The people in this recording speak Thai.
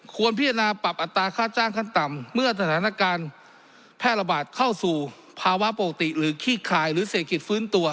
พิจารณาปรับอัตราค่าจ้างขั้นต่ำเมื่อสถานการณ์แพร่ระบาดเข้าสู่ภาวะปกติหรือขี้คายหรือเศรษฐกิจฟื้นตัว